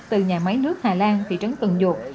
từ nhà máy nước hà lan thị trấn cần duột